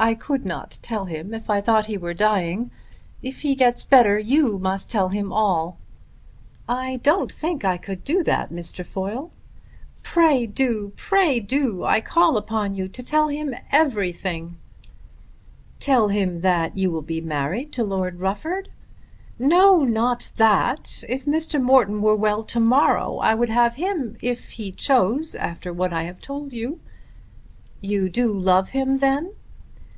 I could not tell him if I thought he were dying. If he gets better you must tell him all." "I don't think I could do that, Miss Trefoil." "Pray do; pray do. I call upon you to tell him everything." "Tell him that you will be married to Lord Rufford?" "No; not that. If Mr. Morton were well to morrow I would have him, if he chose to take me after what I have told you." "You do love him then?"